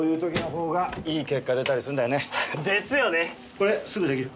これすぐ出来る？